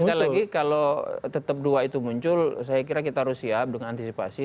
sekali lagi kalau tetap dua itu muncul saya kira kita harus siap dengan antisipasi